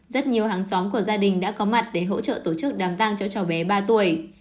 rất nhiều hàng xóm của gia đình đã có mặt để hỗ trợ tổ chức đàm vang cho cháu bé ba tuổi